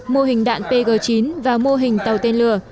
mô hình đạn pg chín và mô hình tàu tên lửa